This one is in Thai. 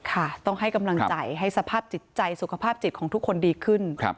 ค่ะต้องให้กำลังใจให้สภาพจิตใจสุขภาพจิตของทุกคนดีขึ้น